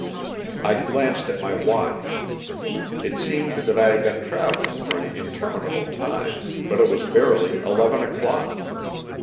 I glanced at my watch. It seemed that I had been travelling for an interminable time, but it was barely eleven o'clock.